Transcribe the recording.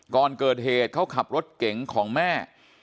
ก่อนเกิดเหตุเขาขับรถเก๋งของแม่